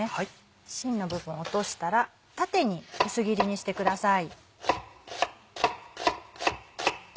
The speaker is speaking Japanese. しんの部分落としたら縦に薄切りにしてください。